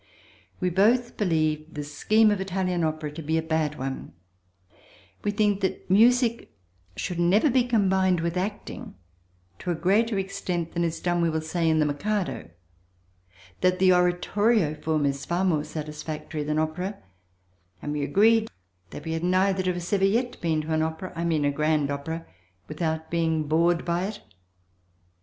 We both believe the scheme of Italian opera to be a bad one; we think that music should never be combined with acting to a greater extent than is done, we will say, in the Mikado; that the oratorio form is far more satisfactory than opera; and we agreed that we had neither of us ever yet been to an opera (I mean a Grand Opera) without being bored by it.